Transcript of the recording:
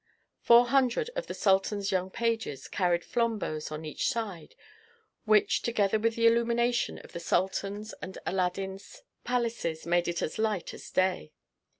Four hundred of the sultan's young pages carried flambeaux on each side, which, together with the illuminations of the sultan's and Aladdin's palaces, made it as light as day.